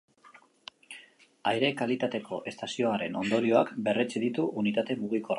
Aire kalitateko estazioaren ondorioak berretsi ditu unitate mugikorrak.